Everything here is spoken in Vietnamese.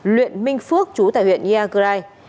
luyện minh phước chú tại huyện nha grai